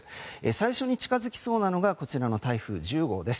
最初に近づきそうなのがこちらの台風１０号です。